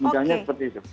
mudahnya seperti itu